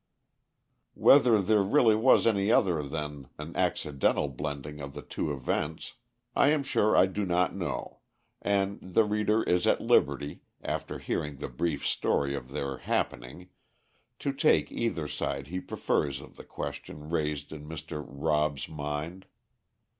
Whether there really was any other than an accidental blending of the two events I am sure I do not know; and the reader is at liberty, after hearing the brief story of their happening, to take either side he prefers of the question raised in Mr. Rob's mind.